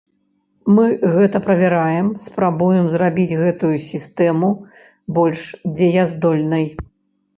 Мы гэта правяраем, спрабуем зрабіць гэтую сістэму больш дзеяздольнай.